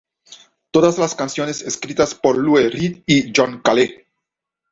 Todas las canciones escritas por Lou Reed y John Cale.